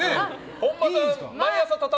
本間さん